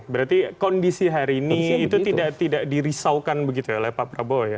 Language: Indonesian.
berarti kondisi hari ini itu tidak dirisaukan begitu ya oleh pak prabowo ya